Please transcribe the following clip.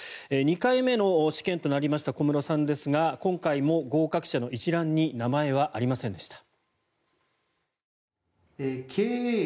２回目の試験となりました小室さんですが今回も合格者の一覧に名前はありませんでした。